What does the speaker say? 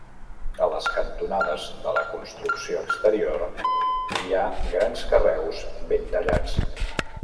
A les cantonades de la construcció exterior hi ha grans carreus ben tallats.